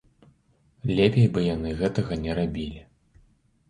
Лепей бы яны гэтага не рабілі.